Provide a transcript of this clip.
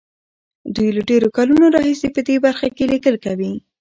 دوی له ډېرو کلونو راهيسې په دې برخه کې ليکل کوي.